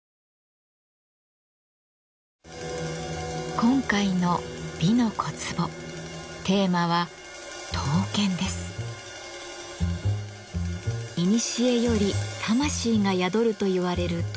今回の「美の小壺」テーマはいにしえより魂が宿るといわれる刀剣。